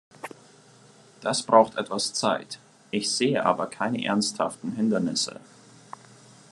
Das braucht etwas Zeit, ich sehe aber keine ernsthaften Hindernisse.